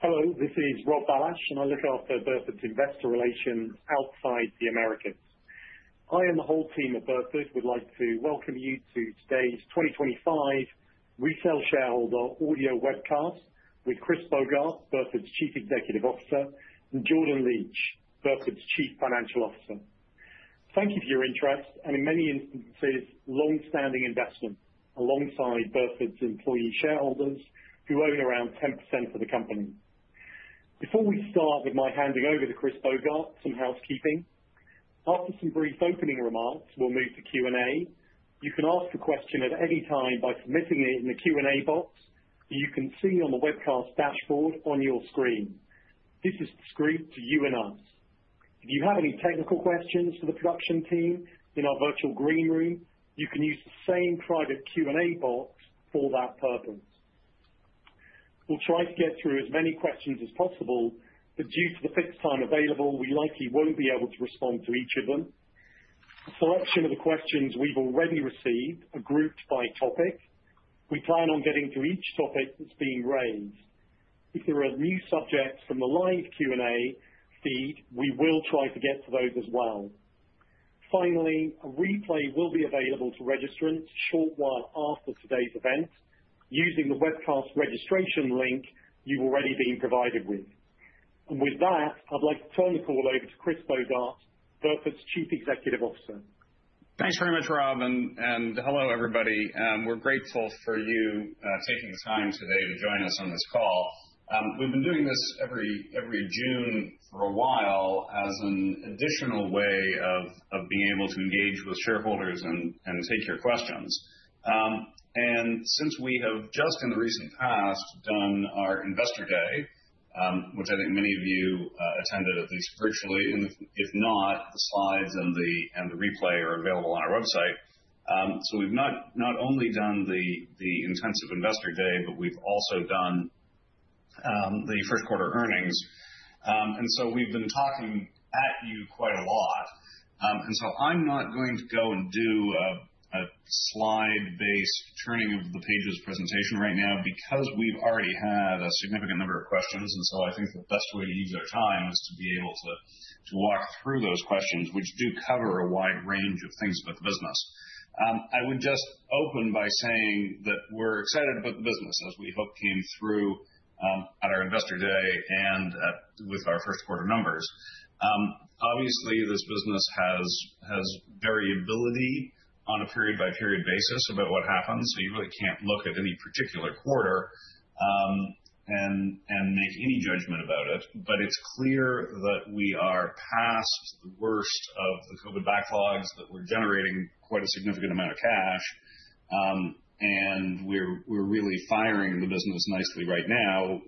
Hello, this is Rob Bailhache, and I look after Burford's investor relations outside the Americas. I and the whole team at Burford would like to welcome you to today's 2025 Retail Shareholder Audio webcast with Chris Bogart, Burford's Chief Executive Officer, and Jordan Licht, Burford's Chief Financial Officer. Thank you for your interest and, in many instances, long-standing investment alongside Burford's employee shareholders who own around 10% of the company. Before we start with my handing over to Chris Bogart some housekeeping, after some brief opening remarks, we'll move to Q&A. You can ask a question at any time by submitting it in the Q&A box that you can see on the webcast dashboard on your screen. This is the screen to you and us. If you have any technical questions for the production team in our virtual green room, you can use the same private Q&A box for that purpose. We'll try to get through as many questions as possible, but due to the fixed time available, we likely won't be able to respond to each of them. The selection of the questions we've already received are grouped by topic. We plan on getting to each topic that's being raised. If there are new subjects from the live Q&A feed, we will try to get to those as well. Finally, a replay will be available to registrants shortly after today's event using the webcast registration link you've already been provided with. With that, I'd like to turn the call over to Chris Bogart, Burford's Chief Executive Officer. Thanks very much, Rob, and hello everybody. We're grateful for you taking the time today to join us on this call. We've been doing this every June for a while as an additional way of being able to engage with shareholders and take your questions. And since we have just, in the recent past, done our Investor Day, which I think many of you attended at least virtually, and if not, the slides and the replay are available on our website. So we've not only done the intensive Investor Day, but we've also done the first quarter earnings. And so we've been talking at you quite a lot. And so I'm not going to go and do a slide-based turning of the pages presentation right now because we've already had a significant number of questions. And so I think the best way to use our time is to be able to walk through those questions, which do cover a wide range of things about the business. I would just open by saying that we're excited about the business, as we hope came through at our Investor Day and with our first quarter numbers. Obviously, this business has variability on a period-by-period basis about what happens, so you really can't look at any particular quarter and make any judgment about it. But it's clear that we are past the worst of the COVID backlogs, that we're generating quite a significant amount of cash, and we're really firing the business nicely right now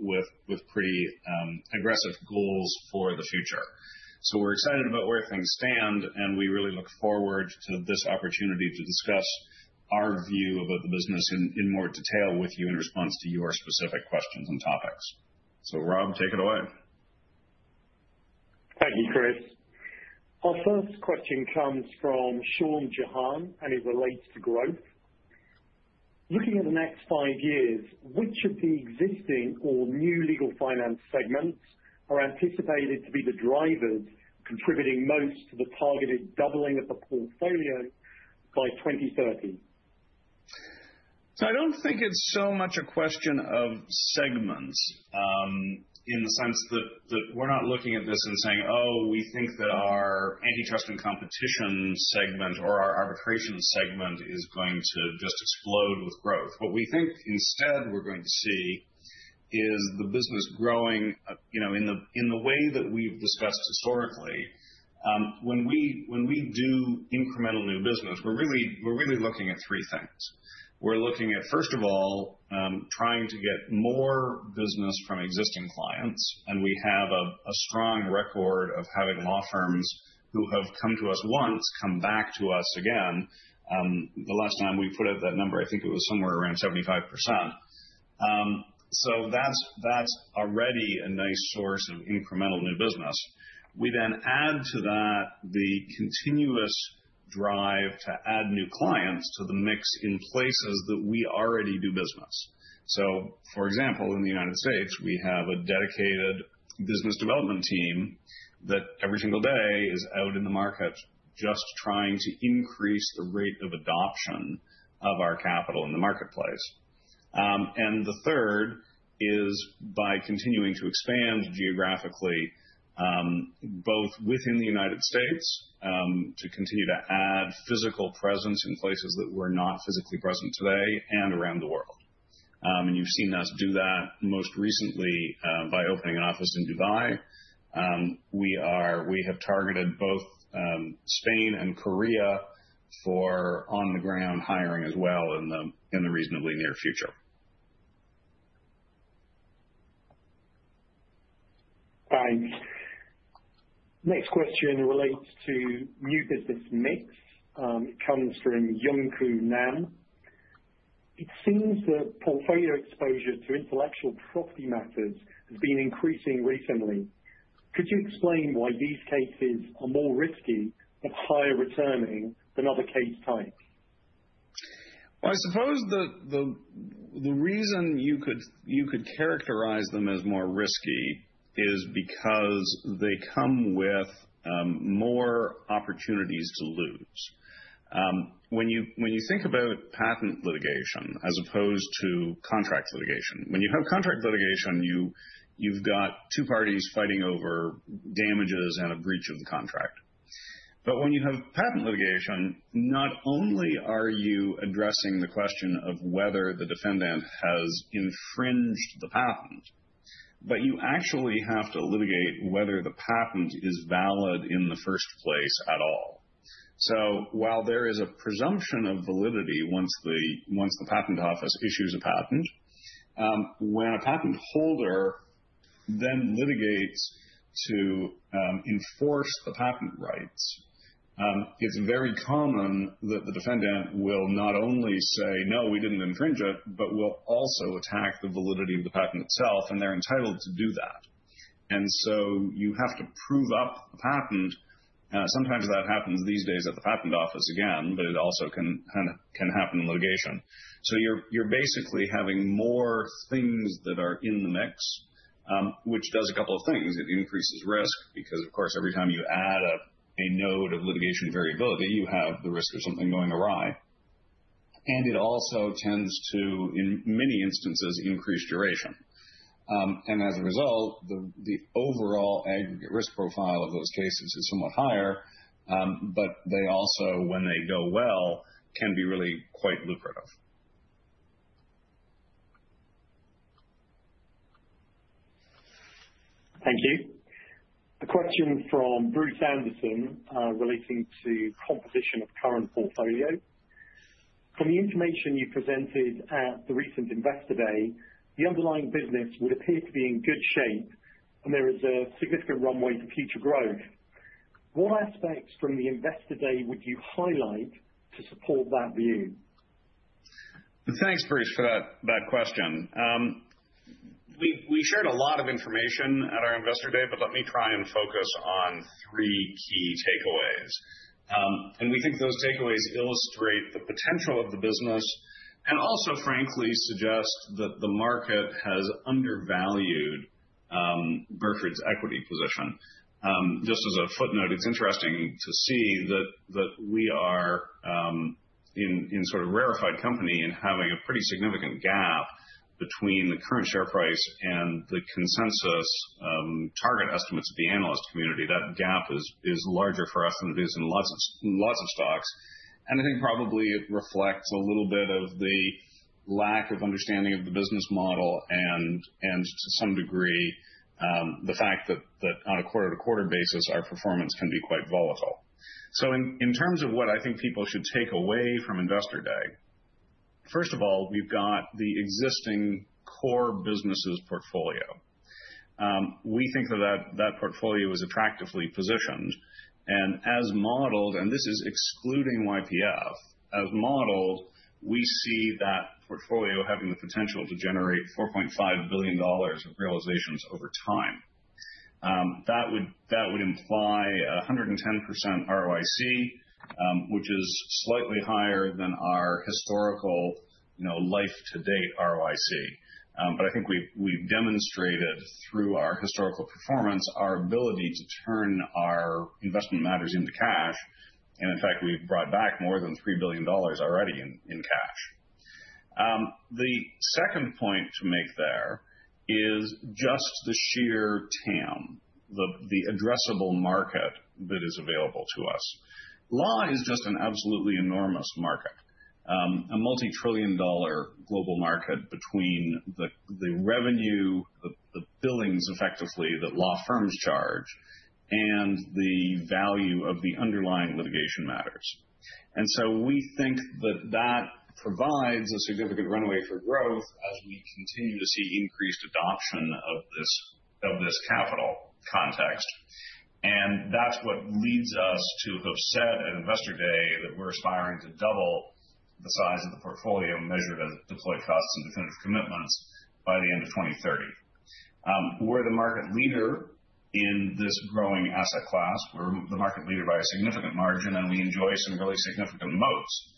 with pretty aggressive goals for the future. We're excited about where things stand, and we really look forward to this opportunity to discuss our view about the business in more detail with you in response to your specific questions and topics. Rob, take it away. Thank you, Chris. Our first question comes from [Sean Jehan], and it relates to growth. Looking at the next five years, which of the existing or new legal finance segments are anticipated to be the drivers contributing most to the targeted doubling of the portfolio by 2030? So I don't think it's so much a question of segments in the sense that we're not looking at this and saying, "Oh, we think that our antitrust and competition segment or our arbitration segment is going to just explode with growth." What we think instead we're going to see is the business growing in the way that we've discussed historically. When we do incremental new business, we're really looking at three things. We're looking at, first of all, trying to get more business from existing clients. And we have a strong record of having law firms who have come to us once come back to us again. The last time we put out that number, I think it was somewhere around 75%. So that's already a nice source of incremental new business. We then add to that the continuous drive to add new clients to the mix in places that we already do business. So for example, in the United States, we have a dedicated business development team that every single day is out in the market just trying to increase the rate of adoption of our capital in the marketplace. And the third is by continuing to expand geographically, both within the United States to continue to add physical presence in places that we're not physically present today and around the world. And you've seen us do that most recently by opening an office in Dubai. We have targeted both Spain and Korea for on-the-ground hiring as well in the reasonably near future. Thanks. Next question relates to new business mix. It comes from [Young Kyu Nam]. It seems that portfolio exposure to intellectual property matters has been increasing recently. Could you explain why these cases are more risky but higher returning than other case types? I suppose the reason you could characterize them as more risky is because they come with more opportunities to lose. When you think about patent litigation as opposed to contract litigation, when you have contract litigation, you've got two parties fighting over damages and a breach of the contract. But when you have patent litigation, not only are you addressing the question of whether the defendant has infringed the patent, but you actually have to litigate whether the patent is valid in the first place at all. So while there is a presumption of validity once the patent office issues a patent, when a patent holder then litigates to enforce the patent rights, it's very common that the defendant will not only say, "No, we didn't infringe it," but will also attack the validity of the patent itself. And they're entitled to do that. And so you have to prove up the patent. Sometimes that happens these days at the patent office again, but it also can happen in litigation. So you're basically having more things that are in the mix, which does a couple of things. It increases risk because, of course, every time you add a node of litigation variability, you have the risk of something going awry. And it also tends to, in many instances, increase duration. And as a result, the overall aggregate risk profile of those cases is somewhat higher, but they also, when they go well, can be really quite lucrative. Thank you. A question from Bruce Anderson relating to composition of current portfolio. From the information you presented at the recent Investor Day, the underlying business would appear to be in good shape, and there is a significant runway for future growth. What aspects from the Investor Day would you highlight to support that view? Thanks, Bruce, for that question. We shared a lot of information at our Investor Day, but let me try and focus on three key takeaways. We think those takeaways illustrate the potential of the business and also, frankly, suggest that the market has undervalued Burford's equity position. Just as a footnote, it's interesting to see that we are in sort of rarefied company and having a pretty significant gap between the current share price and the consensus target estimates of the analyst community. That gap is larger for us than it is in lots of stocks. I think probably it reflects a little bit of the lack of understanding of the business model and, to some degree, the fact that on a quarter-to-quarter basis, our performance can be quite volatile. So in terms of what I think people should take away from Investor Day, first of all, we've got the existing core businesses portfolio. We think that that portfolio is attractively positioned. And as modeled, and this is excluding YPF, as modeled, we see that portfolio having the potential to generate $4.5 billion of realizations over time. That would imply 110% ROIC, which is slightly higher than our historical life-to-date ROIC. But I think we've demonstrated through our historical performance our ability to turn our investment matters into cash. And in fact, we've brought back more than $3 billion already in cash. The second point to make there is just the sheer TAM, the addressable market that is available to us. Law is just an absolutely enormous market, a multi-trillion-dollar global market between the revenue, the billings effectively that law firms charge, and the value of the underlying litigation matters. And so we think that that provides a significant runway for growth as we continue to see increased adoption of this capital context. And that's what leads us to have said at Investor Day that we're aspiring to double the size of the portfolio measured as deployed costs and definitive commitments by the end of 2030. We're the market leader in this growing asset class. We're the market leader by a significant margin, and we enjoy some really significant moats.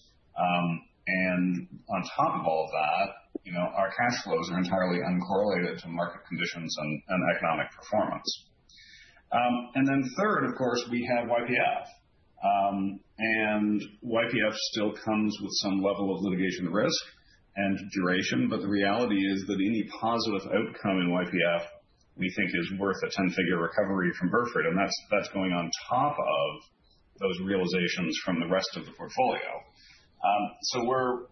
And on top of all of that, our cash flows are entirely uncorrelated to market conditions and economic performance. And then third, of course, we have YPF. And YPF still comes with some level of litigation risk and duration, but the reality is that any positive outcome in YPF we think is worth a 10-figure recovery from Burford. That's going on top of those realizations from the rest of the portfolio.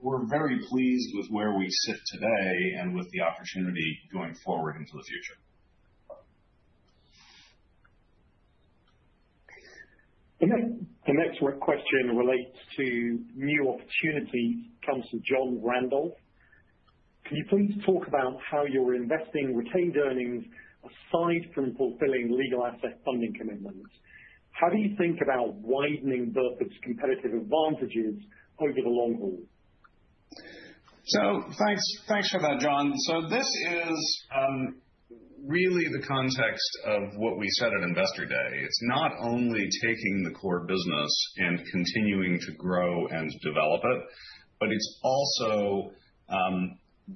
We're very pleased with where we sit today and with the opportunity going forward into the future. The next question relates to new opportunities. Comes from [John Randolph]. Can you please talk about how you're investing retained earnings aside from fulfilling legal asset funding commitments? How do you think about widening Burford's competitive advantages over the long haul? So thanks for that, [John]. So this is really the context of what we said at Investor Day. It's not only taking the core business and continuing to grow and develop it, but it's also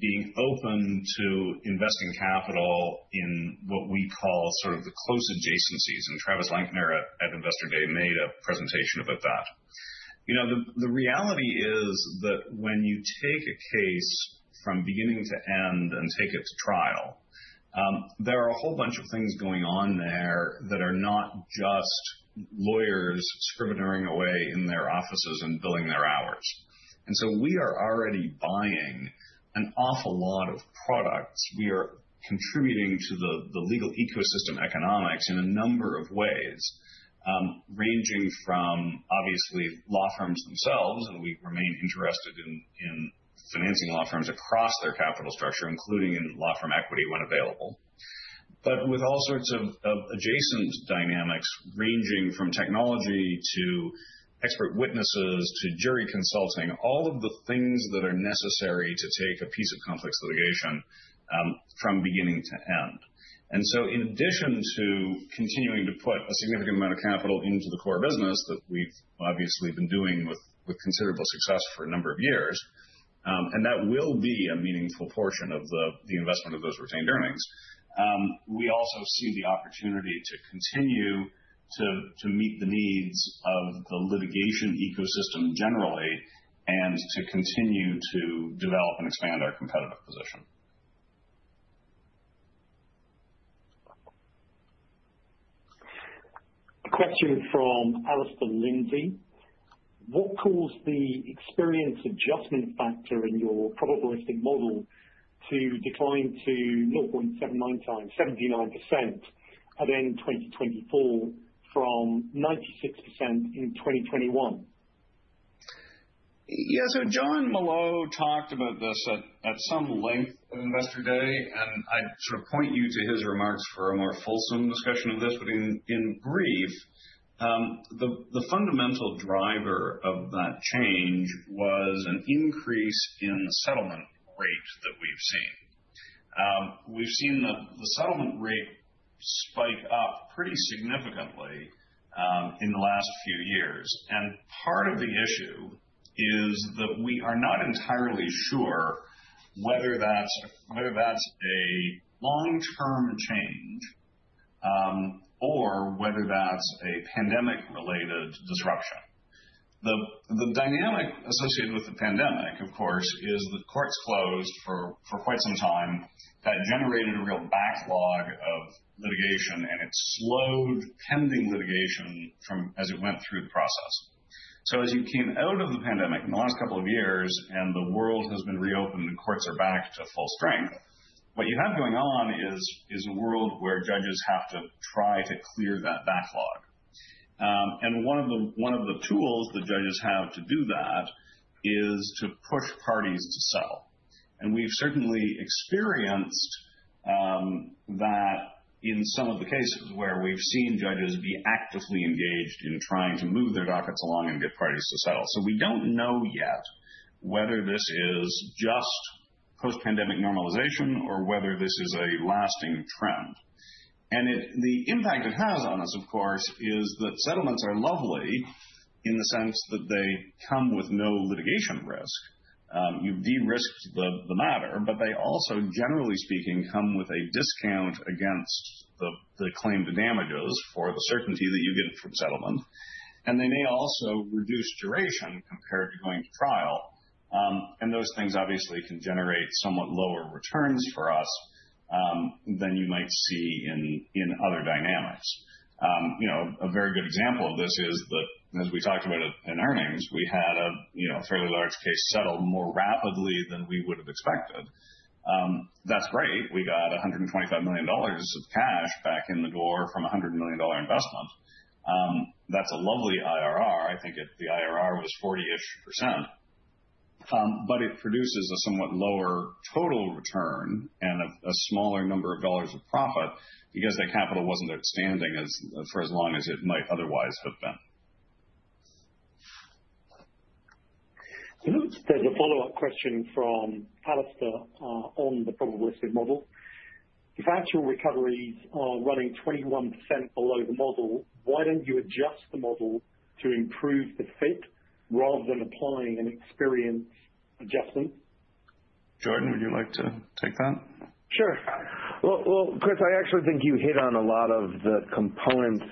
being open to investing capital in what we call sort of the close adjacencies. And Travis Lenkner at Investor Day made a presentation about that. The reality is that when you take a case from beginning to end and take it to trial, there are a whole bunch of things going on there that are not just lawyers scribbing their way in their offices and billing their hours. And so we are already buying an awful lot of products. We are contributing to the legal ecosystem economics in a number of ways, ranging from obviously law firms themselves, and we remain interested in financing law firms across their capital structure, including in law firm equity when available, but with all sorts of adjacent dynamics ranging from technology to expert witnesses to jury consulting. All of the things that are necessary to take a piece of complex litigation from beginning to end, and so in addition to continuing to put a significant amount of capital into the core business that we've obviously been doing with considerable success for a number of years, and that will be a meaningful portion of the investment of those retained earnings, we also see the opportunity to continue to meet the needs of the litigation ecosystem generally and to continue to develop and expand our competitive position. A question from Alistair Lindsay. What caused the experience adjustment factor in your probabilistic model to decline to 0.79x 79% at end 2024 from 96% in 2021? Yeah. So Jon Molot talked about this at some length at Investor Day, and I'd sort of point you to his remarks for a more fulsome discussion of this. But in brief, the fundamental driver of that change was an increase in the settlement rate that we've seen. We've seen the settlement rate spike up pretty significantly in the last few years. And part of the issue is that we are not entirely sure whether that's a long-term change or whether that's a pandemic-related disruption. The dynamic associated with the pandemic, of course, is that courts closed for quite some time. That generated a real backlog of litigation, and it slowed pending litigation as it went through the process. So as you came out of the pandemic in the last couple of years and the world has been reopened and courts are back to full strength, what you have going on is a world where judges have to try to clear that backlog. And one of the tools that judges have to do that is to push parties to settle. And we've certainly experienced that in some of the cases where we've seen judges be actively engaged in trying to move their dockets along and get parties to settle. So we don't know yet whether this is just post-pandemic normalization or whether this is a lasting trend. And the impact it has on us, of course, is that settlements are lovely in the sense that they come with no litigation risk. You've de-risked the matter, but they also, generally speaking, come with a discount against the claimed damages for the certainty that you get from settlement. And they may also reduce duration compared to going to trial. And those things obviously can generate somewhat lower returns for us than you might see in other dynamics. A very good example of this is that, as we talked about in earnings, we had a fairly large case settled more rapidly than we would have expected. That's great. We got $125 million of cash back in the door from a $100 million investment. That's a lovely IRR. I think the IRR was 40-ish%, but it produces a somewhat lower total return and a smaller number of dollars of profit because that capital wasn't outstanding for as long as it might otherwise have been. There's a follow-up question from Alistair on the probabilistic model. If actual recoveries are running 21% below the model, why don't you adjust the model to improve the fit rather than applying an experience adjustment? Jordan, would you like to take that? Sure. Well, Chris, I actually think you hit on a lot of the components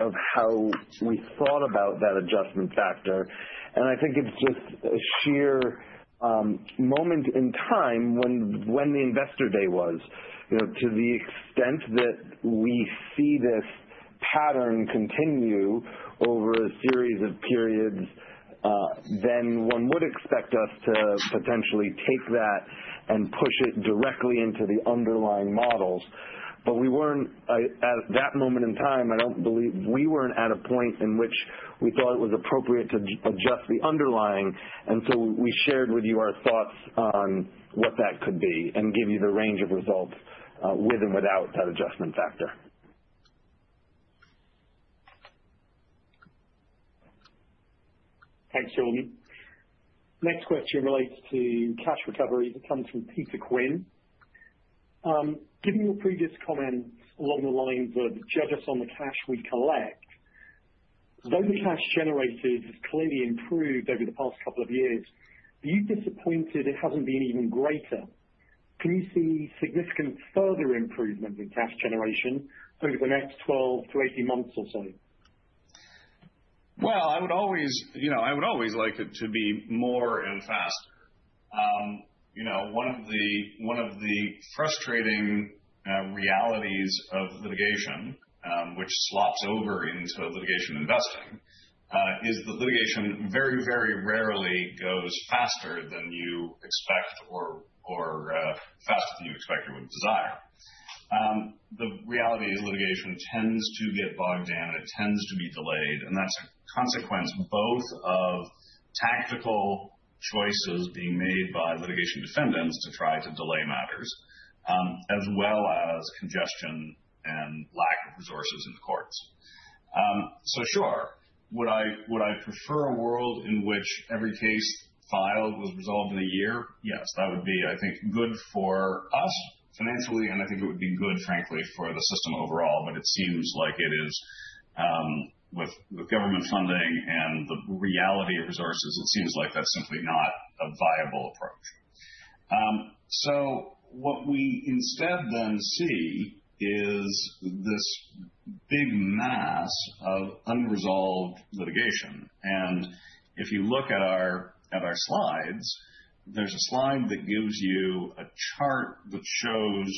of how we thought about that adjustment factor, and I think it's just a sheer moment in time when the Investor Day was. To the extent that we see this pattern continue over a series of periods, then one would expect us to potentially take that and push it directly into the underlying models, but we weren't at that moment in time. I don't believe we were at a point in which we thought it was appropriate to adjust the underlying, and so we shared with you our thoughts on what that could be and give you the range of results with and without that adjustment factor. Thanks, Jordan. Next question relates to cash recovery that comes from [Peter Quinn]. Given your previous comments along the lines of, "Judge us on the cash we collect," though the cash generated has clearly improved over the past couple of years, are you disappointed it hasn't been even greater? Can you see significant further improvement in cash generation over the next 12-18 months or so? I would always like it to be more and faster. One of the frustrating realities of litigation, which slops over into litigation investing, is that litigation very, very rarely goes faster than you expect or faster than you expect or would desire. The reality is litigation tends to get bogged down, and it tends to be delayed. And that's a consequence both of tactical choices being made by litigation defendants to try to delay matters, as well as congestion and lack of resources in the courts. So sure. Would I prefer a world in which every case filed was resolved in a year? Yes. That would be, I think, good for us financially, and I think it would be good, frankly, for the system overall. But it seems like it is, with government funding and the reality of resources, it seems like that's simply not a viable approach. What we instead then see is this big mass of unresolved litigation. If you look at our slides, there's a slide that gives you a chart that shows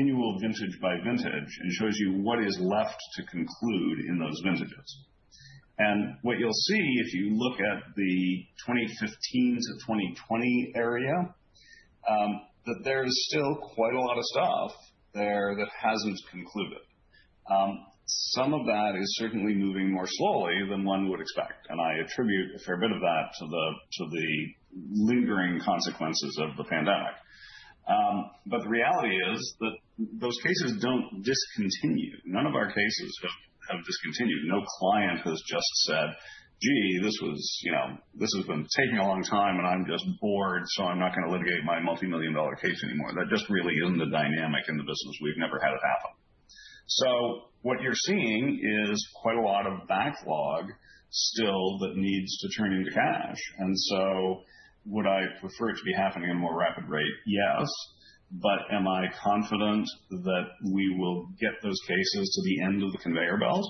annual vintage by vintage and shows you what is left to conclude in those vintages. What you'll see if you look at the 2015 to 2020 area is that there's still quite a lot of stuff there that hasn't concluded. Some of that is certainly moving more slowly than one would expect. I attribute a fair bit of that to the lingering consequences of the pandemic, but the reality is that those cases don't discontinue. None of our cases have discontinued. No client has just said, "Gee, this has been taking a long time, and I'm just bored, so I'm not going to litigate my multi-million dollar case anymore." That just really isn't the dynamic in the business. We've never had it happen. So what you're seeing is quite a lot of backlog still that needs to turn into cash. And so would I prefer it to be happening at a more rapid rate? Yes. But am I confident that we will get those cases to the end of the conveyor belt,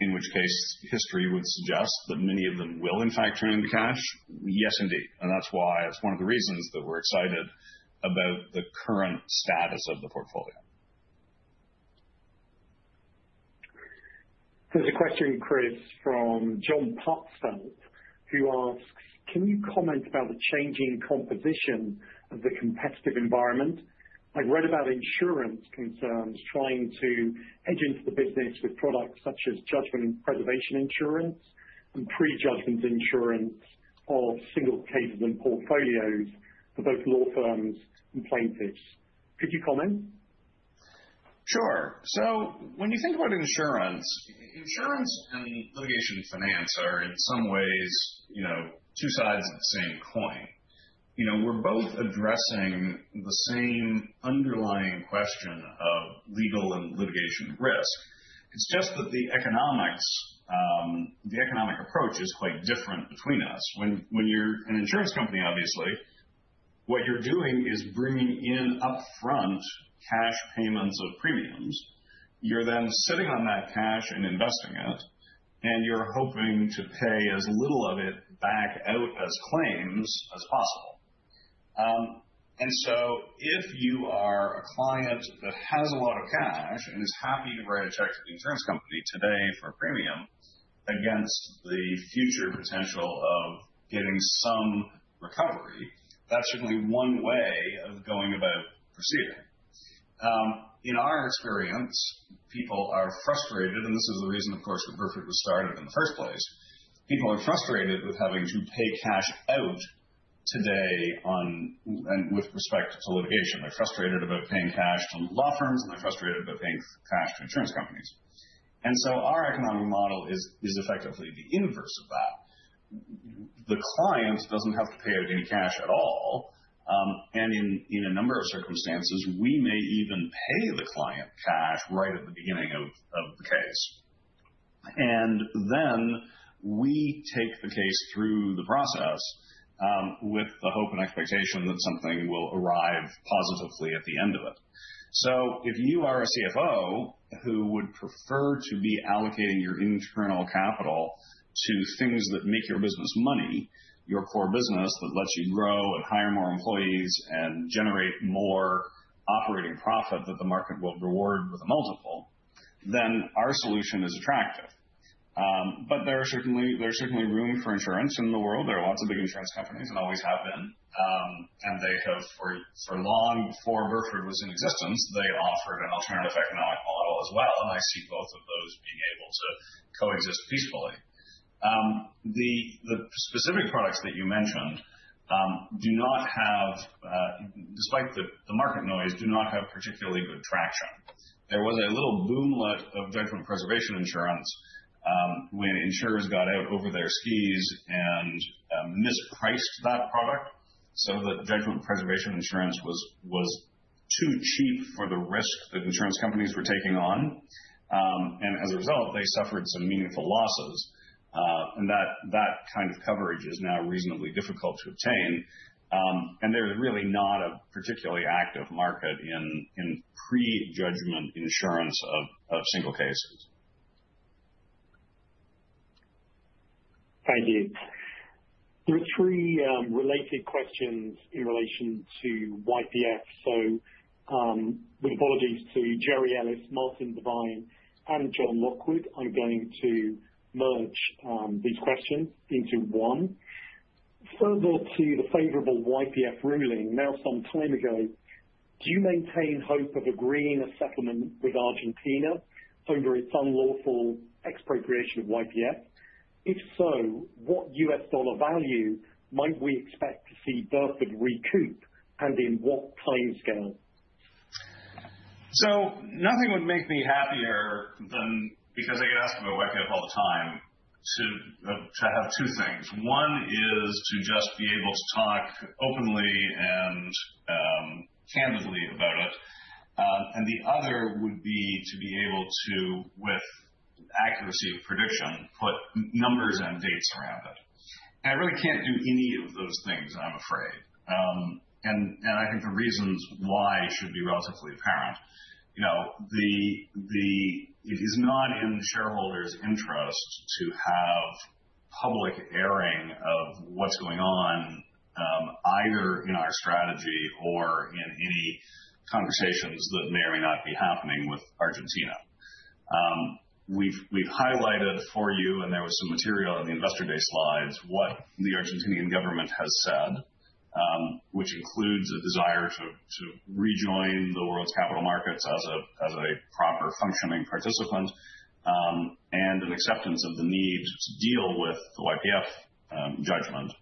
in which case history would suggest that many of them will in fact turn into cash? Yes, indeed. And that's why it's one of the reasons that we're excited about the current status of the portfolio. There's a question, Chris, from [John Botsford], who asks, "Can you comment about the changing composition of the competitive environment? I've read about insurance companies trying to edge into the business with products such as judgment preservation insurance and prejudgment insurance of single cases and portfolios for both law firms and plaintiffs." Could you comment? Sure. So when you think about insurance, insurance and litigation finance are in some ways two sides of the same coin. We're both addressing the same underlying question of legal and litigation risk. It's just that the economic approach is quite different between us. When you're an insurance company, obviously, what you're doing is bringing in upfront cash payments of premiums. You're then sitting on that cash and investing it, and you're hoping to pay as little of it back out as claims as possible. And so if you are a client that has a lot of cash and is happy to write a check to the insurance company today for a premium against the future potential of getting some recovery, that's certainly one way of going about proceeding. In our experience, people are frustrated, and this is the reason, of course, that Burford was started in the first place. People are frustrated with having to pay cash out today with respect to litigation. They're frustrated about paying cash to law firms, and they're frustrated about paying cash to insurance companies, and so our economic model is effectively the inverse of that. The client doesn't have to pay out any cash at all, and in a number of circumstances, we may even pay the client cash right at the beginning of the case, and then we take the case through the process with the hope and expectation that something will arrive positively at the end of it, so if you are a CFO who would prefer to be allocating your internal capital to things that make your business money, your core business that lets you grow and hire more employees and generate more operating profit that the market will reward with a multiple, then our solution is attractive. There's certainly room for insurance in the world. There are lots of big insurance companies and always have been. And they have, for long before Burford was in existence, they offered an alternative economic model as well. And I see both of those being able to coexist peacefully. The specific products that you mentioned do not have, despite the market noise, do not have particularly good traction. There was a little boomlet of judgment preservation insurance when insurers got out over their skis and mispriced that product so that judgment preservation insurance was too cheap for the risk that insurance companies were taking on. And as a result, they suffered some meaningful losses. And that kind of coverage is now reasonably difficult to obtain. And there's really not a particularly active market in pre-judgment insurance of single cases. Thank you. There are three related questions in relation to YPF. So with apologies to [Jerry Ellis], [Martin Devlin], and [John Lockwood], I'm going to merge these questions into one. Further to the favorable YPF ruling now some time ago, do you maintain hope of agreeing a settlement with Argentina over its unlawful expropriation of YPF? If so, what U.S. dollar value might we expect to see Burford recoup, and in what timescale? So nothing would make me happier than, because I get asked about YPF all the time, to have two things. One is to just be able to talk openly and candidly about it. And the other would be to be able to, with accuracy of prediction, put numbers and dates around it. And I really can't do any of those things, I'm afraid. And I think the reasons why should be relatively apparent. It is not in shareholders' interest to have public airing of what's going on either in our strategy or in any conversations that may or may not be happening with Argentina. We've highlighted for you, and there was some material in the investor base slides, what the Argentine government has said, which includes a desire to rejoin the world's capital markets as a proper functioning participant and an acceptance of the need to deal with the YPF judgment.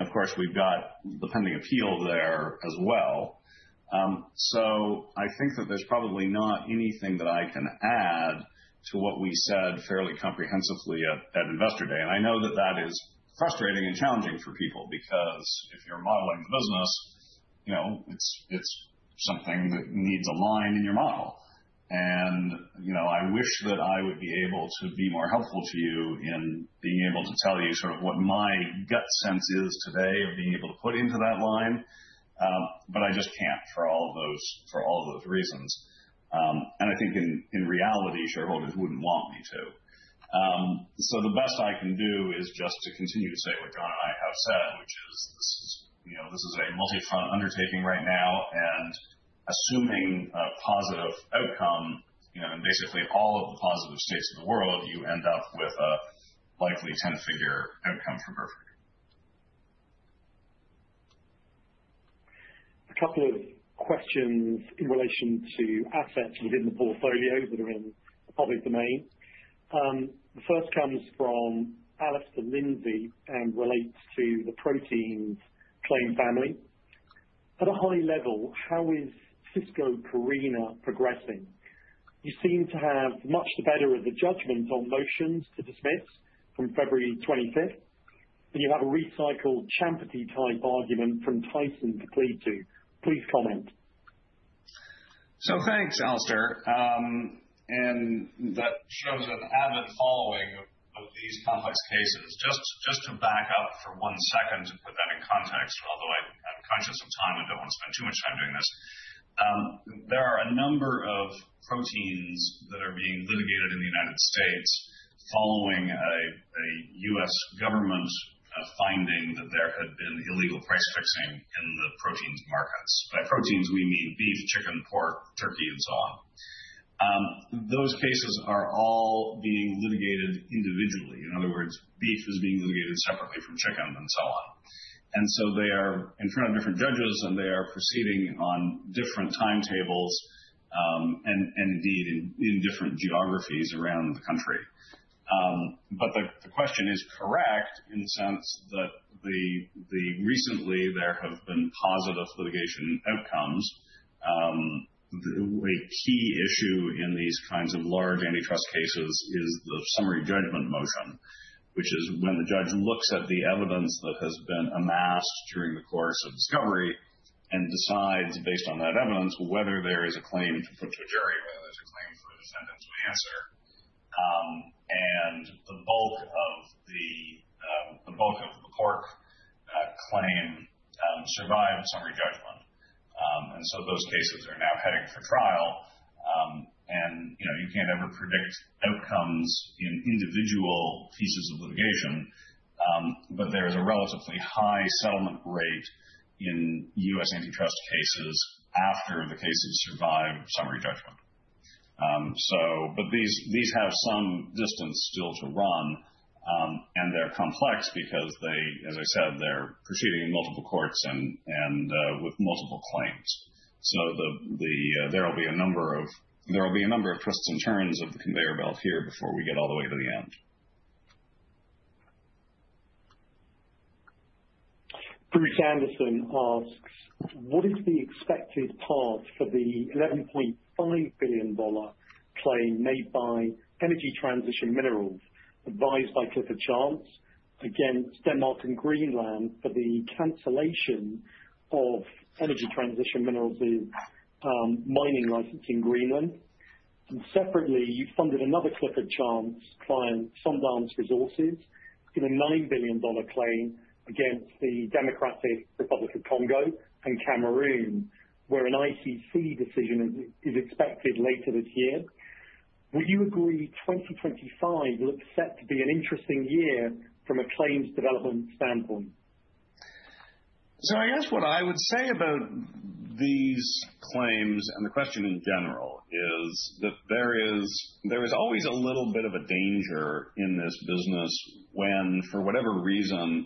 Of course, we've got the pending appeal there as well. So I think that there's probably not anything that I can add to what we said fairly comprehensively at Investor Day. And I know that that is frustrating and challenging for people because if you're modeling the business, it's something that needs a line in your model. And I wish that I would be able to be more helpful to you in being able to tell you sort of what my gut sense is today of being able to put into that line, but I just can't for all of those reasons. And I think in reality, shareholders wouldn't want me to. So the best I can do is just to continue to say what Jon and I have said, which is this is a multi-front undertaking right now. Assuming a positive outcome in basically all of the positive states of the world, you end up with a likely 10-figure outcome for Burford. A couple of questions in relation to assets within the portfolio that are in the public domain. The first comes from Alistair Lindsay and relates to the protein claim family. At a high level, how is Sysco/Carina progressing? You seem to have much the better of the judgment on motions to dismiss from February 25th. And you have a recycled champerty-type argument from Tyson to plead to. Please comment. So thanks, Alistair, and that shows an avid following of these complex cases. Just to back up for one second to put that in context, although I'm conscious of time and don't want to spend too much time doing this, there are a number of proteins that are being litigated in the United States following a U.S. government finding that there had been illegal price fixing in the protein markets. By proteins, we mean beef, chicken, pork, turkey, and so on. Those cases are all being litigated individually. In other words, beef is being litigated separately from chicken and so on. And so they are in front of different judges, and they are proceeding on different timetables and indeed in different geographies around the country, but the question is correct in the sense that recently there have been positive litigation outcomes. A key issue in these kinds of large antitrust cases is the summary judgment motion, which is when the judge looks at the evidence that has been amassed during the course of discovery and decides based on that evidence whether there is a claim to put to a jury, whether there's a claim for the defendant to answer. And the bulk of the pork claim survived summary judgment. And so those cases are now heading for trial. And you can't ever predict outcomes in individual pieces of litigation, but there is a relatively high settlement rate in U.S. antitrust cases after the cases survive summary judgment. But these have some distance still to run, and they're complex because they, as I said, they're proceeding in multiple courts and with multiple claims. So there will be a number of twists and turns of the conveyor belt here before we get all the way to the end. Bruce Anderson asks, "What is the expected path for the $11.5 billion claim made by Energy Transition Minerals advised by Clifford Chance against Denmark and Greenland for the cancellation of Energy Transition Minerals' mining license in Greenland?" And separately, you funded another Clifford Chance client, Sundance Resources, in a $9 billion claim against the Democratic Republic of the Congo and Cameroon, where an ICC decision is expected later this year. Would you agree 2025 looks set to be an interesting year from a claims development standpoint? I guess what I would say about these claims and the question in general is that there is always a little bit of a danger in this business when, for whatever reason,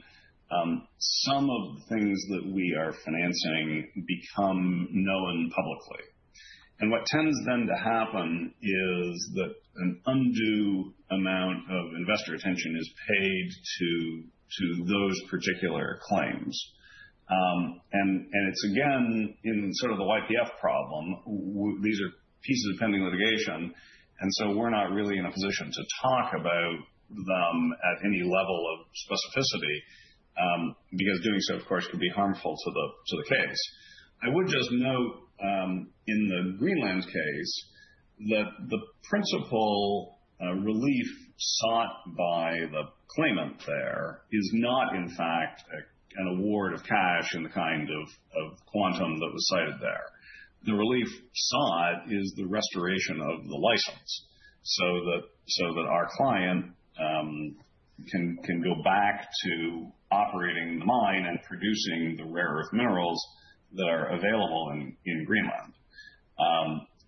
some of the things that we are financing become known publicly. And what tends then to happen is that an undue amount of investor attention is paid to those particular claims. And it's again in sort of the YPF problem. These are pieces of pending litigation, and so we're not really in a position to talk about them at any level of specificity because doing so, of course, could be harmful to the case. I would just note in the Greenland case that the principal relief sought by the claimant there is not, in fact, an award of cash in the kind of quantum that was cited there. The relief sought is the restoration of the license so that our client can go back to operating the mine and producing the rare earth minerals that are available in Greenland,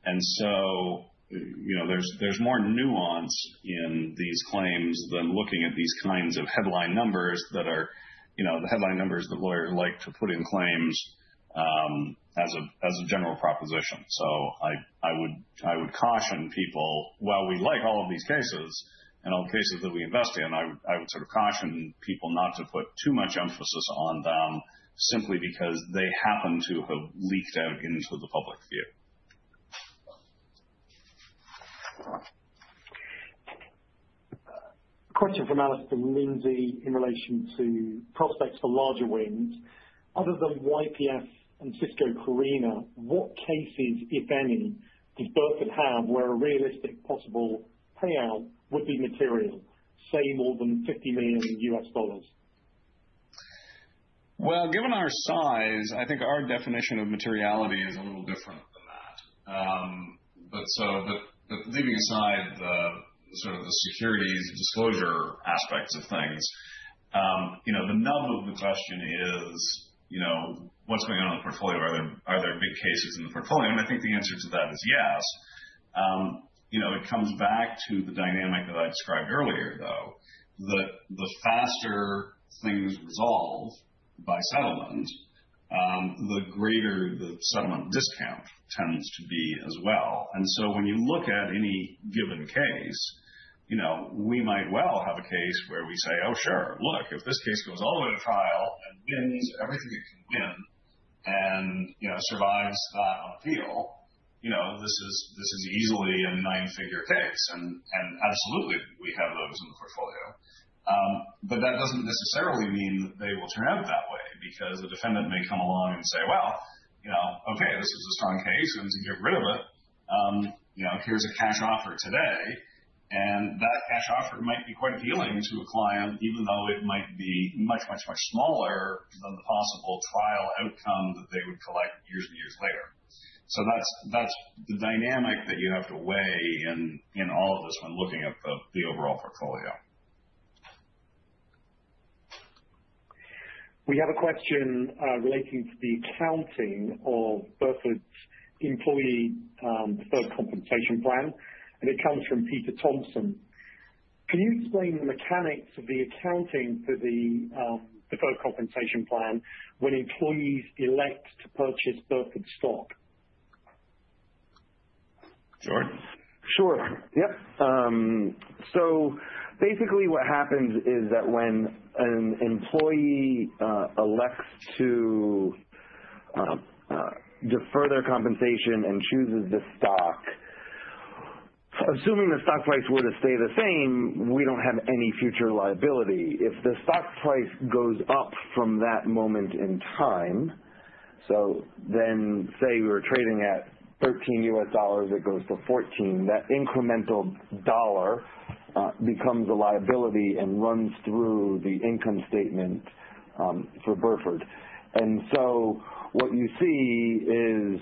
and so there's more nuance in these claims than looking at these kinds of headline numbers that are the headline numbers that lawyers like to put in claims as a general proposition, so I would caution people, while we like all of these cases and all the cases that we invest in, I would sort of caution people not to put too much emphasis on them simply because they happen to have leaked out into the public view. Question from Alistair Lindsay in relation to prospects for larger wins. Other than YPF and Sysco/Carina, what cases, if any, does Burford have where a realistic possible payout would be material, say, more than $50 million? Well, given our size, I think our definition of materiality is a little different than that. But leaving aside sort of the securities disclosure aspects of things, the nub of the question is, what's going on in the portfolio? Are there big cases in the portfolio? And I think the answer to that is yes. It comes back to the dynamic that I described earlier, though, that the faster things resolve by settlement, the greater the settlement discount tends to be as well. And so when you look at any given case, we might well have a case where we say, "Oh, sure. Look, if this case goes all the way to trial and wins everything it can win and survives that on appeal, this is easily a nine-figure case." And absolutely, we have those in the portfolio. But that doesn't necessarily mean that they will turn out that way because the defendant may come along and say, "Well, okay, this was a strong case. I'm going to get rid of it. Here's a cash offer today." And that cash offer might be quite appealing to a client, even though it might be much, much, much smaller than the possible trial outcome that they would collect years and years later. So that's the dynamic that you have to weigh in all of this when looking at the overall portfolio. We have a question relating to the accounting of Burford's employee deferred compensation plan. And it comes from [Peter Thompson]. Can you explain the mechanics of the accounting for the deferred compensation plan when employees elect to purchase Burford stock? Sure. Sure. Yep. So basically, what happens is that when an employee elects to defer their compensation and chooses the stock, assuming the stock price were to stay the same, we don't have any future liability. If the stock price goes up from that moment in time, so then say we were trading at $13 U.S. dollars, it goes to $14, that incremental dollar becomes a liability and runs through the income statement for Burford. And so what you see is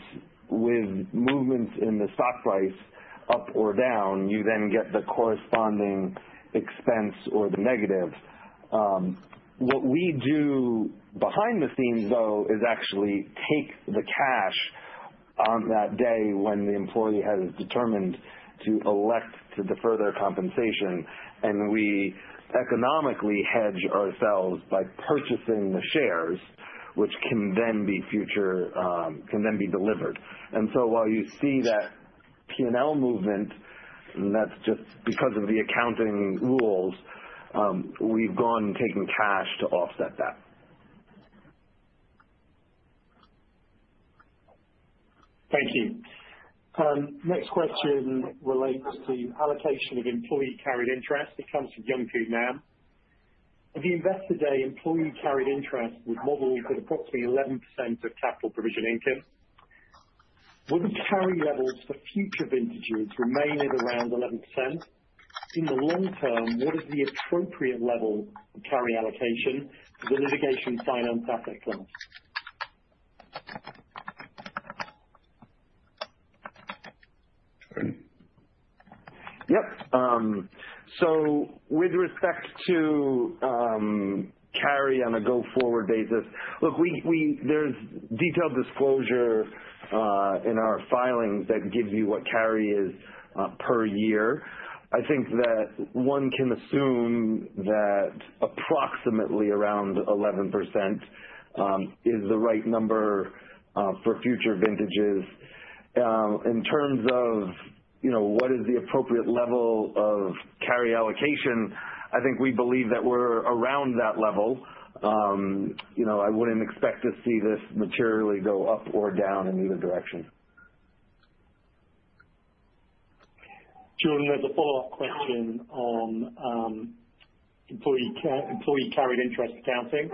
with movements in the stock price up or down, you then get the corresponding expense or the negative. What we do behind the scenes, though, is actually take the cash on that day when the employee has determined to elect to defer their compensation, and we economically hedge ourselves by purchasing the shares, which can then be delivered. And so while you see that P&L movement, and that's just because of the accounting rules, we've gone and taken cash to offset that. Thank you. Next question relates to allocation of employee carried interest. It comes from [Young Kyu Nam]. If you invest today, employee carried interest would model with approximately 11% of capital provision income. Would the carry levels for future vintages remain at around 11%? In the long term, what is the appropriate level of carry allocation for the litigation finance asset class? Yep. So with respect to carry on a go-forward basis, look, there's detailed disclosure in our filings that gives you what carry is per year. I think that one can assume that approximately around 11% is the right number for future vintages. In terms of what is the appropriate level of carry allocation, I think we believe that we're around that level. I wouldn't expect to see this materially go up or down in either direction. Jordan, there's a follow-up question on employee carried interest accounting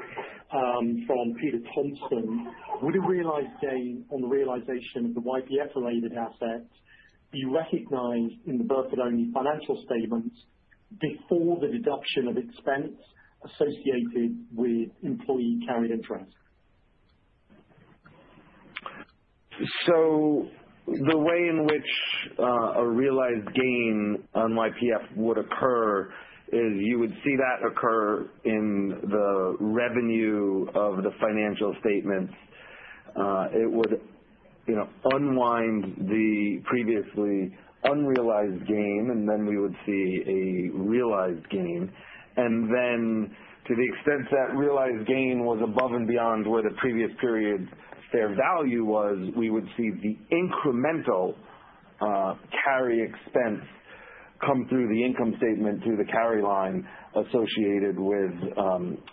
from [Peter Thompson]. Would a realized gain on the realization of the YPF-related asset be recognized in the Burford-only financial statements before the deduction of expense associated with employee carried interest? So the way in which a realized gain on YPF would occur is you would see that occur in the revenue of the financial statements. It would unwind the previously unrealized gain, and then we would see a realized gain. And then to the extent that realized gain was above and beyond where the previous period's fair value was, we would see the incremental carry expense come through the income statement to the carry line associated with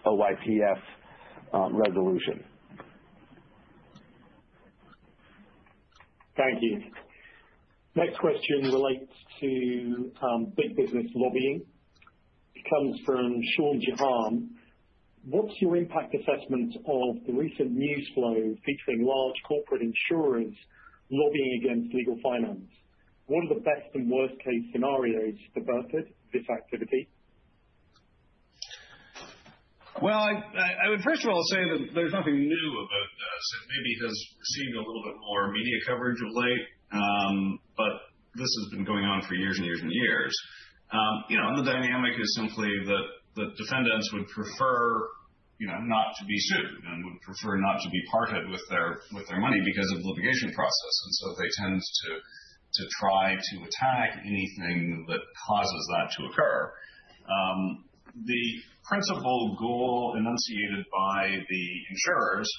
a YPF resolution. Thank you. Next question relates to big business lobbying. It comes from [Sean Jehan]. What's your impact assessment of the recent news flow featuring large corporate insurers lobbying against legal finance? What are the best and worst-case scenarios for Burford, this activity? I would first of all say that there's nothing new about this. It maybe has received a little bit more media coverage of late, but this has been going on for years and years and years. And the dynamic is simply that defendants would prefer not to be sued and would prefer not to be parted with their money because of the litigation process. And so they tend to try to attack anything that causes that to occur. The principal goal enunciated by the insurers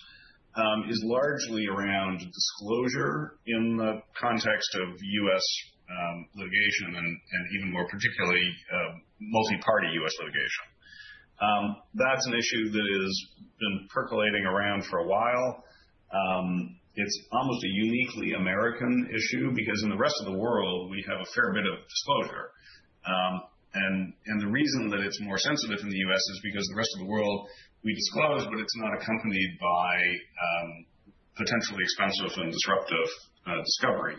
is largely around disclosure in the context of U.S. litigation and even more particularly multi-party U.S. litigation. That's an issue that has been percolating around for a while. It's almost a uniquely American issue because in the rest of the world, we have a fair bit of disclosure. And the reason that it's more sensitive in the U.S. is because in the rest of the world, we disclose, but it's not accompanied by potentially expensive and disruptive discovery.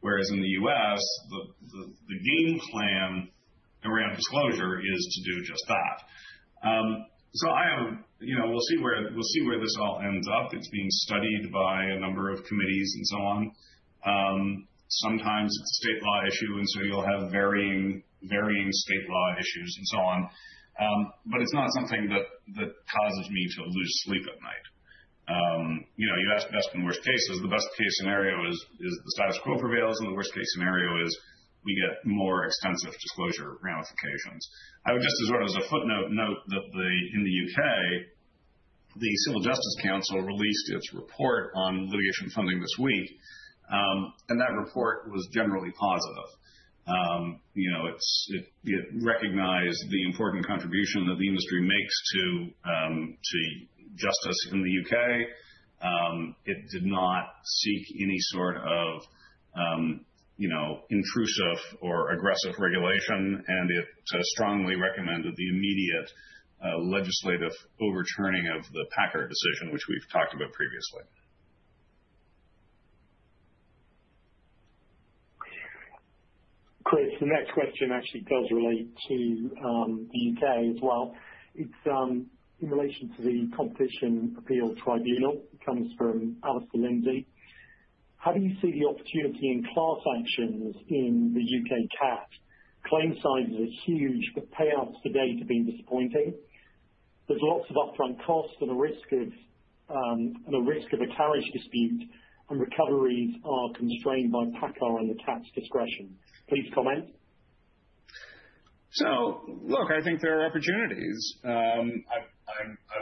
Whereas in the U.S., the game plan around disclosure is to do just that. So we'll see where this all ends up. It's being studied by a number of committees and so on. Sometimes it's a state law issue, and so you'll have varying state law issues and so on. But it's not something that causes me to lose sleep at night. You asked best and worst cases. The best-case scenario is the status quo prevails, and the worst-case scenario is we get more extensive disclosure ramifications. I would just, as sort of a footnote, note that in the U.K., the Civil Justice Council released its report on litigation funding this week, and that report was generally positive. It recognized the important contribution that the industry makes to justice in the U.K.. It did not seek any sort of intrusive or aggressive regulation, and it strongly recommended the immediate legislative overturning of the PACCAR decision, which we've talked about previously. Chris, the next question actually does relate to the U.K. as well. It's in relation to the Competition Appeal Tribunal. It comes from Alistair Lindsay. How do you see the opportunity in class actions in the U.K. CAT? Claim size is huge, but payouts today have been disappointing. There's lots of upfront costs and a risk of a carriage dispute, and recoveries are constrained by PACCAR and the CAT's discretion. Please comment. So look, I think there are opportunities. I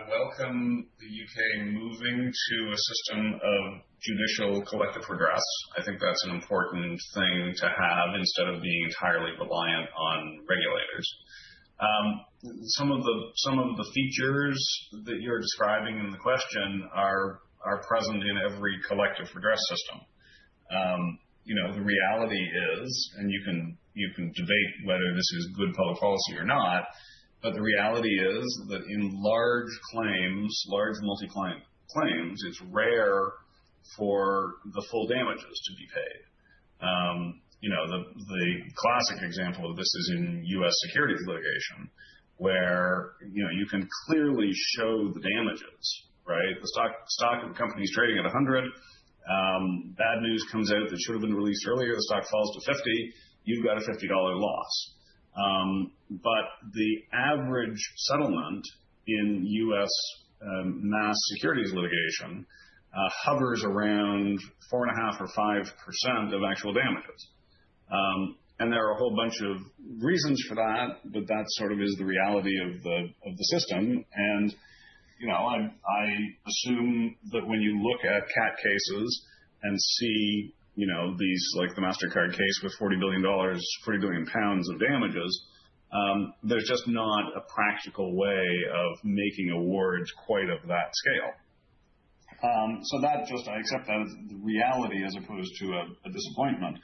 welcome the U.K. moving to a system of judicial collective redress. I think that's an important thing to have instead of being entirely reliant on regulators. Some of the features that you're describing in the question are present in every collective redress system. The reality is, and you can debate whether this is good public policy or not, but the reality is that in large claims, large multi-client claims, it's rare for the full damages to be paid. The classic example of this is in U.S. securities litigation, where you can clearly show the damages, right? The stock of a company is trading at 100. Bad news comes out that should have been released earlier. The stock falls to 50. You've got a $50 loss. But the average settlement in U.S. mass securities litigation hovers around 4.5% or 5% of actual damages. And there are a whole bunch of reasons for that, but that sort of is the reality of the system. I assume that when you look at CAT cases and see these, like the Mastercard case with $40 billion, 40 billion pounds of damages, there's just not a practical way of making awards quite of that scale. So I accept that as the reality as opposed to a disappointment.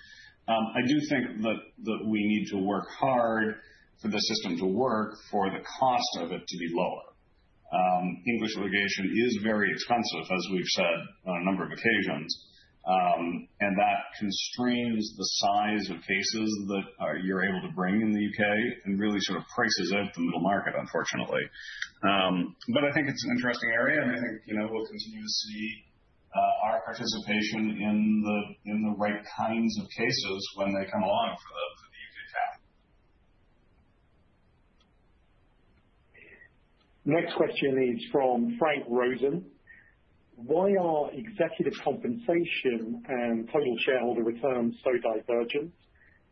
I do think that we need to work hard for the system to work for the cost of it to be lower. English litigation is very expensive, as we've said on a number of occasions, and that constrains the size of cases that you're able to bring in the U.K. and really sort of prices out the middle market, unfortunately. But I think it's an interesting area, and I think we'll continue to see our participation in the right kinds of cases when they come along for the CAT. Next question is from [Frank Rosen]. Why are executive compensation and total shareholder returns so divergent?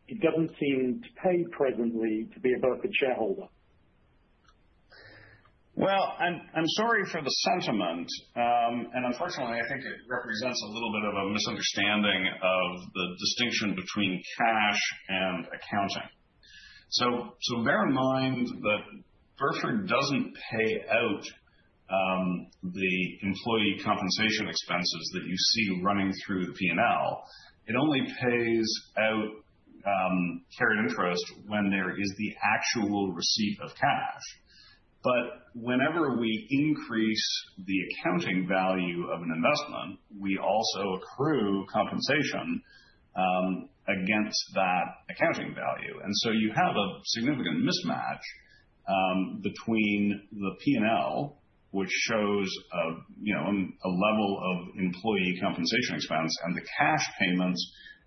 It doesn't seem to pay presently to be a Burford shareholder. I'm sorry for the sentiment, and unfortunately, I think it represents a little bit of a misunderstanding of the distinction between cash and accounting. Bear in mind that Burford doesn't pay out the employee compensation expenses that you see running through the P&L. It only pays out carried interest when there is the actual receipt of cash. But whenever we increase the accounting value of an investment, we also accrue compensation against that accounting value. And so you have a significant mismatch between the P&L, which shows a level of employee compensation expense, and the cash payments,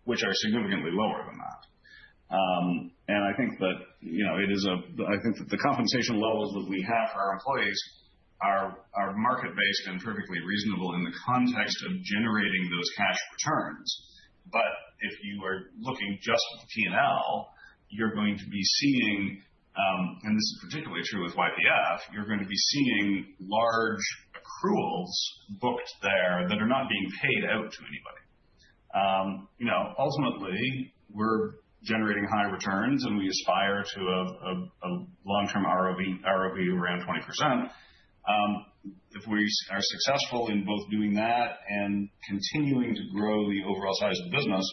which are significantly lower than that. And I think that the compensation levels that we have for our employees are market-based and perfectly reasonable in the context of generating those cash returns. But if you are looking just at the P&L, you're going to be seeing, and this is particularly true with YPF, you're going to be seeing large accruals booked there that are not being paid out to anybody. Ultimately, we're generating high returns, and we aspire to a long-term ROE around 20%. If we are successful in both doing that and continuing to grow the overall size of the business,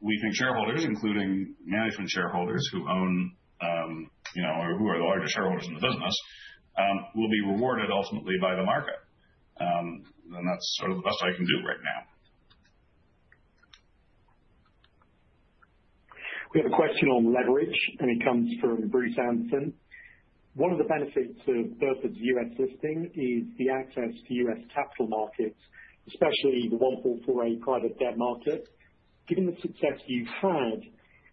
we think shareholders, including management shareholders who own or who are the largest shareholders in the business, will be rewarded ultimately by the market. And that's sort of the best I can do right now. We have a question on leverage, and it comes from Bruce Anderson. One of the benefits of Burford's U.S. listing is the access to U.S. capital markets, especially the 144A private debt market. Given the success you've had,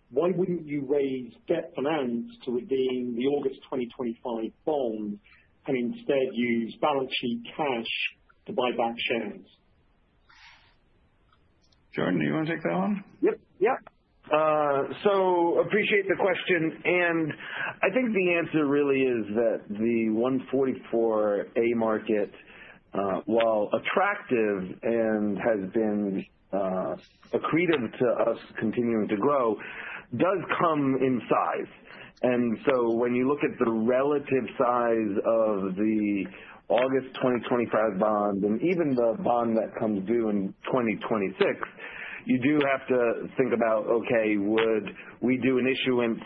why wouldn't you raise debt finance to redeem the August 2025 bond and instead use balance sheet cash to buy back shares? Jordan, do you want to take that one? Yep, yep. I appreciate the question. I think the answer really is that the 144A market, while attractive and has been accretive to us continuing to grow, does come in size. When you look at the relative size of the August 2025 bond and even the bond that comes due in 2026, you do have to think about, okay, would we do an issuance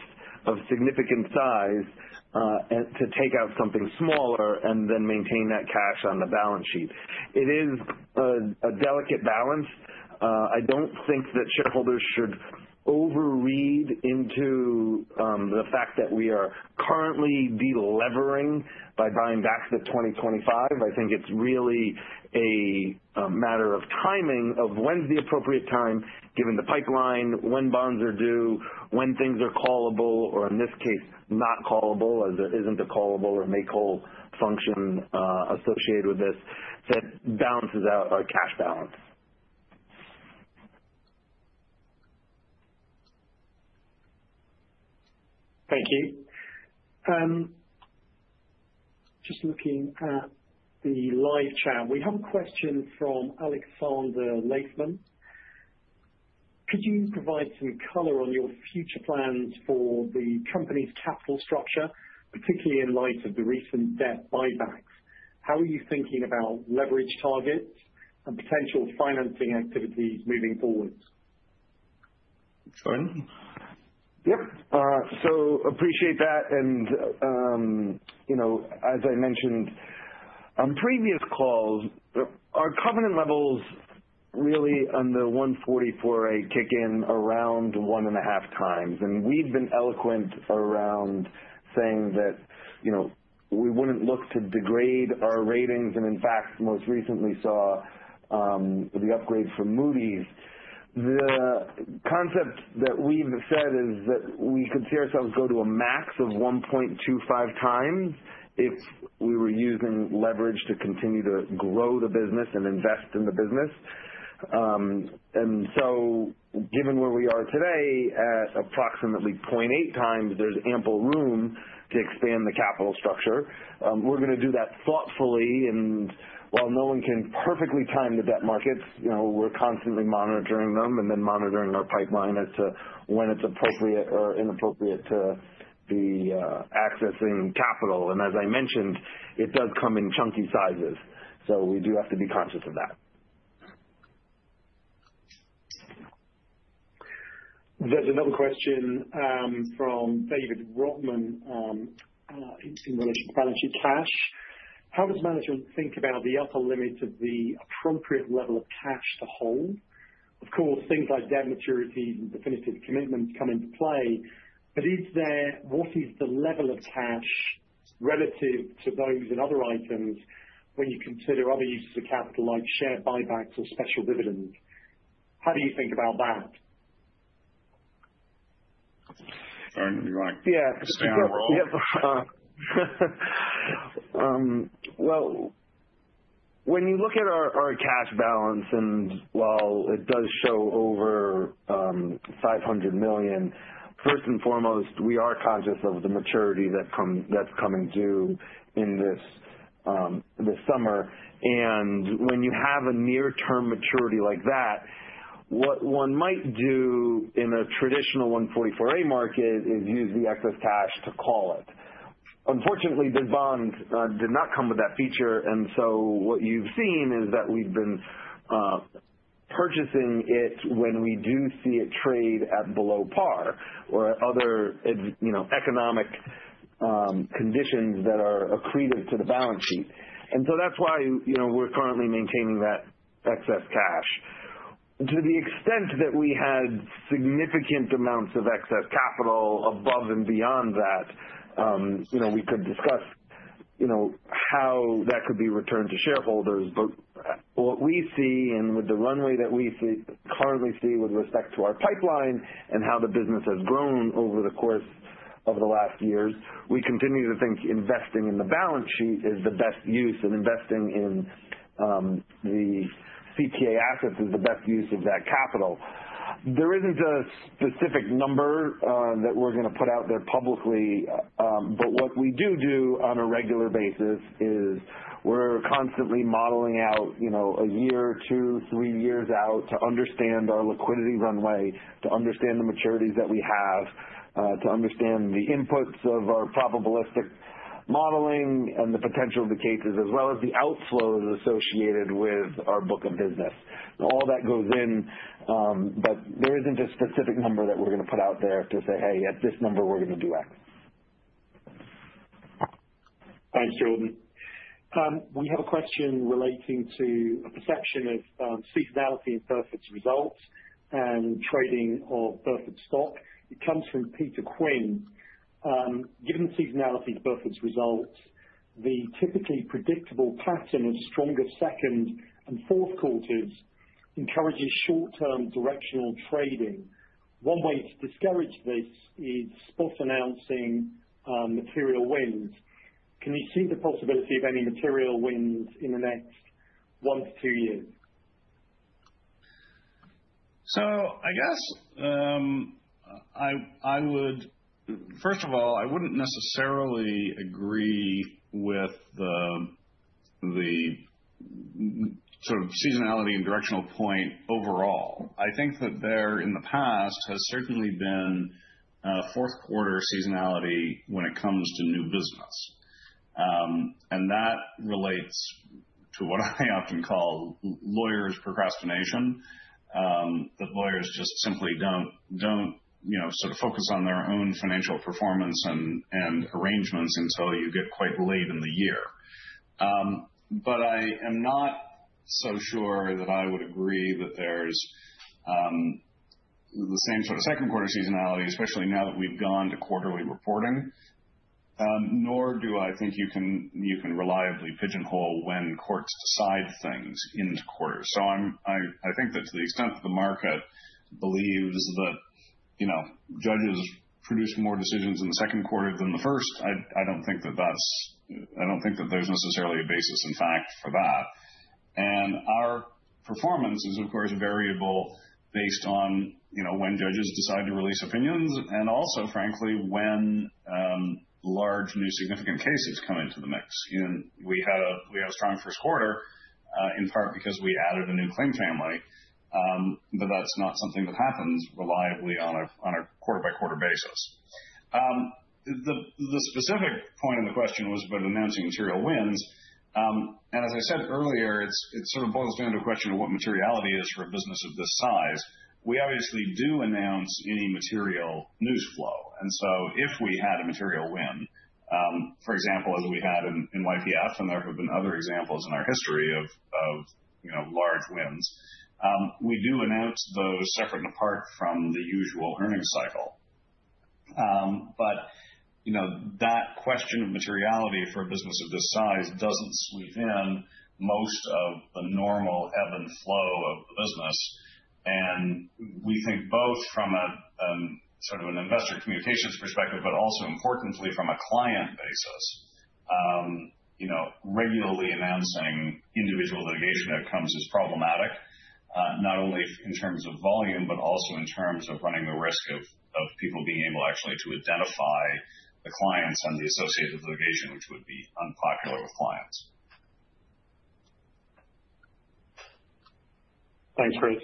of significant size to take out something smaller and then maintain that cash on the balance sheet? It is a delicate balance. I don't think that shareholders should overread into the fact that we are currently delivering by buying back the 2025. I think it's really a matter of timing of when's the appropriate time, given the pipeline, when bonds are due, when things are callable, or in this case, not callable, as there isn't a callable or make-whole function associated with this that balances out our cash balance. Thank you. Just looking at the live chat, we have a question from [Alexander Latham]. Could you provide some color on your future plans for the company's capital structure, particularly in light of the recent debt buybacks? How are you thinking about leverage targets and potential financing activities moving forward? Jordan? Yep. I appreciate that. As I mentioned on previous calls, our covenant levels really on the 144A kick in around one and a half times. We've been eloquent around saying that we wouldn't look to degrade our ratings, and in fact, most recently saw the upgrade from Moody's. The concept that we've said is that we could see ourselves go to a max of 1.25x if we were using leverage to continue to grow the business and invest in the business. Given where we are today at approximately 0.8x, there's ample room to expand the capital structure. We're going to do that thoughtfully. While no one can perfectly time the debt markets, we're constantly monitoring them and then monitoring our pipeline as to when it's appropriate or inappropriate to be accessing capital. As I mentioned, it does come in chunky sizes. We do have to be conscious of that. There's another question from [David Rothman] in relation to balance sheet cash. How does management think about the upper limits of the appropriate level of cash to hold? Of course, things like debt maturities and definitive commitments come into play, but what is the level of cash relative to those and other items when you consider other uses of capital like share buybacks or special dividends? How do you think about that? Jordan. Yeah. When you look at our cash balance, and while it does show over $500 million, first and foremost, we are conscious of the maturity that's coming due in this summer. When you have a near-term maturity like that, what one might do in a traditional 144A market is use the excess cash to call it. Unfortunately, the bond did not come with that feature, and so what you've seen is that we've been purchasing it when we do see it trade at below par or other economic conditions that are accretive to the balance sheet. That's why we're currently maintaining that excess cash. To the extent that we had significant amounts of excess capital above and beyond that, we could discuss how that could be returned to shareholders. What we see and with the runway that we currently see with respect to our pipeline and how the business has grown over the course of the last years, we continue to think investing in the balance sheet is the best use and investing in the CPA assets is the best use of that capital. There isn't a specific number that we're going to put out there publicly, but what we do on a regular basis is we're constantly modeling out a year, two, three years out to understand our liquidity runway, to understand the maturities that we have, to understand the inputs of our probabilistic modeling and the potential of the cases, as well as the outflows associated with our book of business. All that goes in, but there isn't a specific number that we're going to put out there to say, "Hey, at this number, we're going to do X. Thanks, Jordan. We have a question relating to a perception of seasonality in Burford's results and trading of Burford stock. It comes from [Peter Quinn]. Given the seasonality of Burford's results, the typically predictable pattern of stronger second and fourth quarters encourages short-term directional trading. One way to discourage this is spot announcing material wins. Can you see the possibility of any material wins in the next one to two years? I guess I would, first of all, I wouldn't necessarily agree with the sort of seasonality and directional point overall. I think that there in the past has certainly been fourth quarter seasonality when it comes to new business. That relates to what I often call lawyers' procrastination, that lawyers just simply don't sort of focus on their own financial performance and arrangements until you get quite late in the year. I am not so sure that I would agree that there's the same sort of second quarter seasonality, especially now that we've gone to quarterly reporting, nor do I think you can reliably pigeonhole when courts decide things into quarters. So I think that to the extent that the market believes that judges produce more decisions in the second quarter than the first, I don't think that there's necessarily a basis in fact for that. And our performance is, of course, variable based on when judges decide to release opinions and also, frankly, when large new significant cases come into the mix. And we had a strong first quarter in part because we added a new claim family, but that's not something that happens reliably on a quarter-by-quarter basis. The specific point of the question was about announcing material wins. And as I said earlier, it sort of boils down to a question of what materiality is for a business of this size. We obviously do announce any material news flow. If we had a material win, for example, as we had in YPF, and there have been other examples in our history of large wins, we do announce those separate and apart from the usual earnings cycle. That question of materiality for a business of this size doesn't sweep in most of the normal ebb and flow of the business. We think both from sort of an investor communications perspective, but also importantly from a client basis, regularly announcing individual litigation outcomes is problematic, not only in terms of volume, but also in terms of running the risk of people being able actually to identify the clients and the associated litigation, which would be unpopular with clients. Thanks, Chris.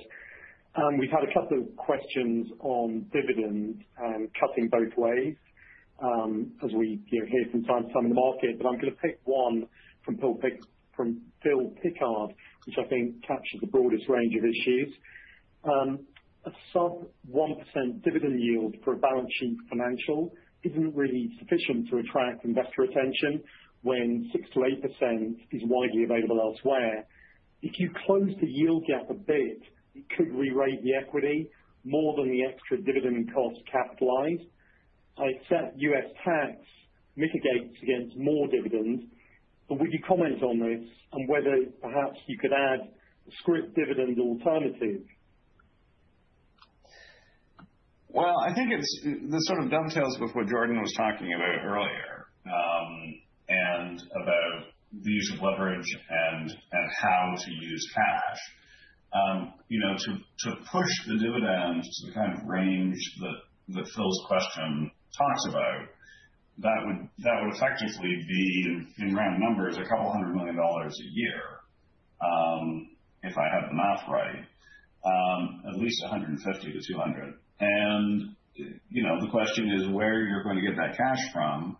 We've had a couple of questions on dividends and cutting both ways as we hear from time to time in the market, but I'm going to pick one from [Bill Pickard], which I think captures the broadest range of issues. A sub 1% dividend yield for a balance sheet financial isn't really sufficient to attract investor attention when 6%-8% is widely available elsewhere. If you close the yield gap a bit, it could re-rate the equity more than the extra dividend cost capitalized, except U.S. tax mitigates against more dividends. But would you comment on this and whether perhaps you could add a scrip dividend alternative? I think it sort of dovetails with what Jordan was talking about earlier and about the use of leverage and how to use cash. To push the dividend to the kind of range that [Bill's] question talks about, that would effectively be in round numbers $200 million a year if I had the math right, at least $150 million-$200 million. And the question is where you're going to get that cash from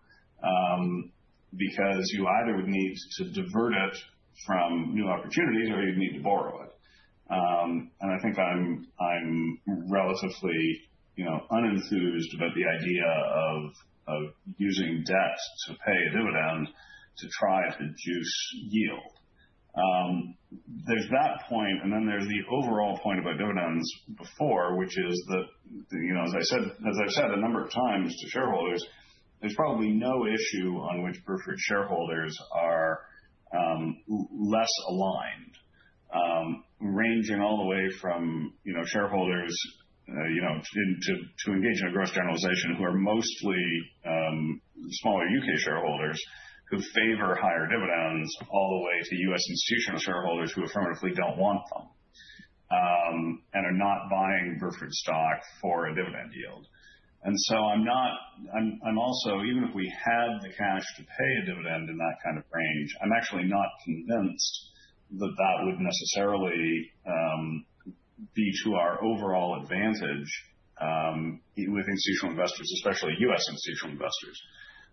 because you either would need to divert it from new opportunities or you'd need to borrow it. And I think I'm relatively unenthused about the idea of using debt to pay a dividend to try to juice yield. There's that point, and then there's the overall point about dividends before, which is that, as I've said a number of times to shareholders, there's probably no issue on which Burford shareholders are less aligned, ranging all the way from shareholders to engage in a gross generalization who are mostly smaller U.K. shareholders who favor higher dividends all the way to U.S. institutional shareholders who affirmatively don't want them and are not buying Burford stock for a dividend yield. And so I'm not. I'm also, even if we had the cash to pay a dividend in that kind of range, I'm actually not convinced that that would necessarily be to our overall advantage with institutional investors, especially U.S. institutional investors.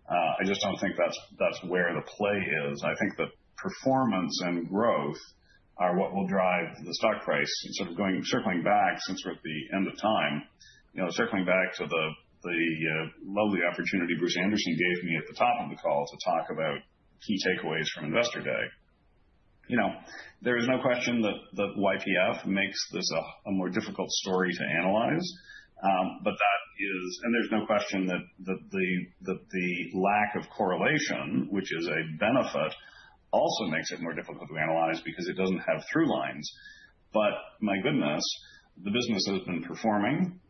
I just don't think that's where the play is. I think that performance and growth are what will drive the stock price. And sort of circling back since we're at the end of time, circling back to the lovely opportunity Bruce Anderson gave me at the top of the call to talk about key takeaways from Investor Day, there is no question that YPF makes this a more difficult story to analyze. But that is, and there's no question that the lack of correlation, which is a benefit, also makes it more difficult to analyze because it doesn't have through lines. But my goodness, the business has been performing.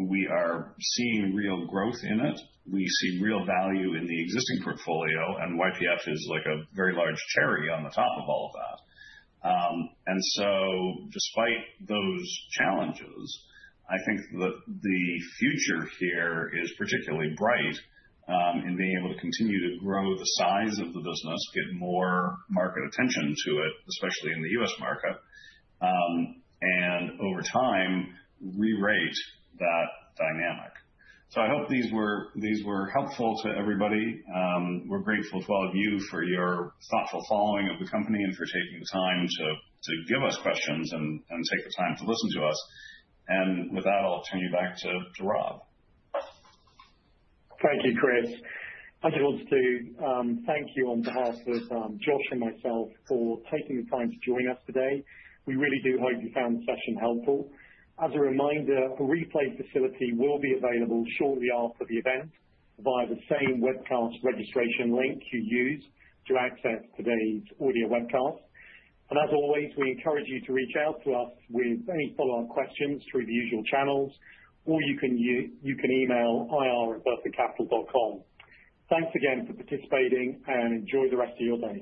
We are seeing real growth in it. We see real value in the existing portfolio, and YPF is like a very large cherry on the top of all of that. And so despite those challenges, I think that the future here is particularly bright in being able to continue to grow the size of the business, get more market attention to it, especially in the U.S. market, and over time re-rate that dynamic. So I hope these were helpful to everybody. We're grateful to all of you for your thoughtful following of the company and for taking the time to give us questions and take the time to listen to us. And with that, I'll turn you back to Rob. Thank you, Chris. I just wanted to thank you on behalf of Jordan and myself for taking the time to join us today. We really do hope you found the session helpful. As a reminder, a replay facility will be available shortly after the event via the same webcast registration link you used to access today's audio webcast. As always, we encourage you to reach out to us with any follow-up questions through the usual channels, or you can email ir@burfordcapital.com. Thanks again for participating and enjoy the rest of your day.